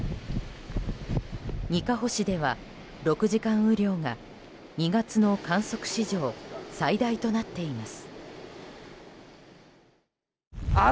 にかほ市では６時間雨量が２月の観測史上最大となっています。